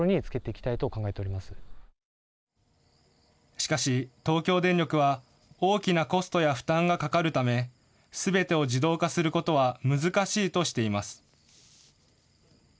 しかし東京電力は大きなコストや負担がかかるためすべてを自動化することは難しいとしています。